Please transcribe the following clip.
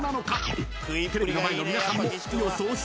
［テレビの前の皆さんも予想してみてください］